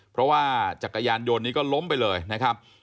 เพราะว่าจักรยานยนต์นี้ก็ล้มไปเลยนะครับ